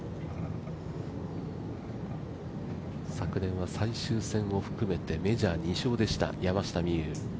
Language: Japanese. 昨年は最終戦を含めて、メジャー２勝でした山下美夢有。